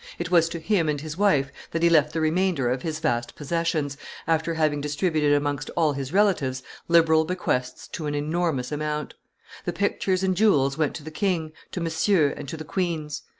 It was to him and his wife that he left the remainder of his vast possessions, after having distributed amongst all his relatives liberal bequests to an enormous amount. The pictures and jewels went to the king, to Monsieur, and to the queens.